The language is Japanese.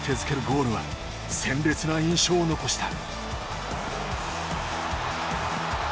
ゴールは鮮烈な印象を残した。